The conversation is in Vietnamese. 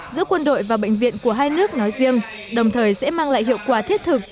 giữa quân đội và bệnh viện của hai nước nói riêng đồng thời sẽ mang lại hiệu quả thiết thực